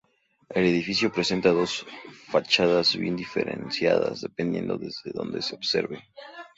El edificio presenta dos fachadas bien diferenciadas dependiendo desde donde se observe.